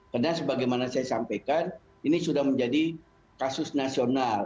karena sebagaimana saya sampaikan ini sudah menjadi kasus nasional